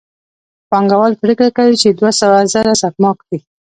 پانګوال پرېکړه کوي چې دوه سوه زره سپما کړي